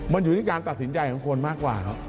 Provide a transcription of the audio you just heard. มันอยู่ที่การตัดสินใจของคนมากกว่าครับ